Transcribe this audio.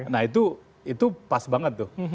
nah itu pas banget tuh